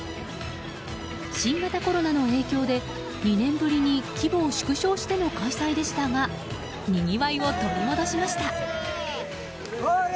新型コロナの影響で、２年ぶりに規模を縮小しての開催でしたがにぎわいを取り戻しました。